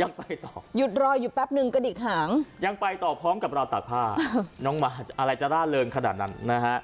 ยังไปต่อหยุดรออยู่แป๊บนึงกระดิกหางยังไปต่อพร้อมกับราวตากผ้าน้องหมาอะไรจะร่าเริงขนาดนั้นนะฮะ